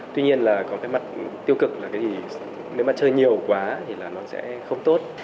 tuy nhiên là có cái mặt tiêu cực là cái gì nếu mà chơi nhiều quá thì là nó sẽ không tốt